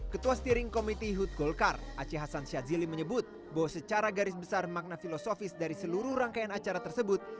ketua steering committee hut golkar aceh hasan syadzili menyebut bahwa secara garis besar makna filosofis dari seluruh rangkaian acara tersebut